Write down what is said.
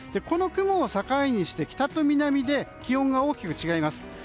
この雲を境にして北と南で気温が大きく違います。